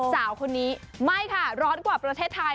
สาวคนนี้ไม่ค่ะร้อนกว่าประเทศไทย